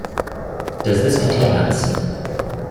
Does this contain nuts?